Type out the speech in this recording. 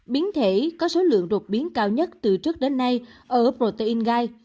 biến thể có số lượng đột biến cao nhất từ trước đến nay ở protein gai